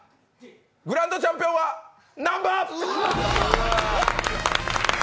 グランドチャンピオンは南波！